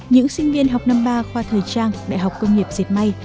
những sinh viên học năm ba khoa thời trang đại học công nghiệp dệt may